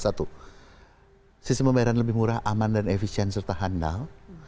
sisi pembayaran lebih murah aman dan efisien serta handal